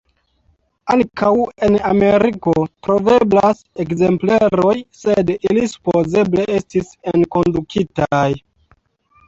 Ankaŭ en Ameriko troveblas ekzempleroj, sed ili supozeble estis enkondukitaj.